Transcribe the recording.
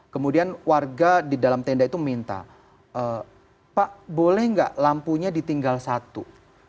kemudian warga di dalam tenda itu minta pak boleh nggak lampunya ditinggal satu